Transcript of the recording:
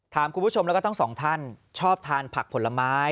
คุณผู้ชมแล้วก็ทั้งสองท่านชอบทานผักผลไม้